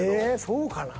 そうかな。